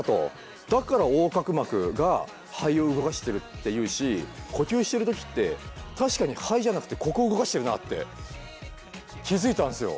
だから横隔膜が肺を動かしてるっていうし呼吸してる時って確かに肺じゃなくてここ動かしてるなって気付いたんですよ！